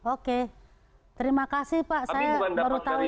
oke terima kasih pak saya baru tahu